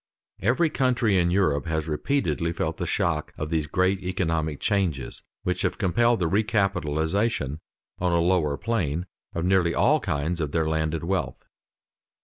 Every country in Europe has repeatedly felt the shock of these great economic changes which have compelled the recapitalization on a lower plane, of nearly all kinds of their landed wealth.